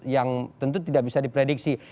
yang tentu tidak bisa diprediksi